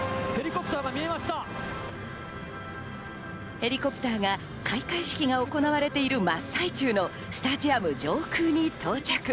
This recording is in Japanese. ヘリコプターが開会式が行われている真っ最中のスタジアム上空に到着。